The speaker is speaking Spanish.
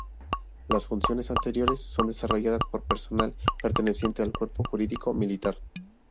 Las funciones anteriores son desarrolladas por personal perteneciente al Cuerpo Jurídico Militar.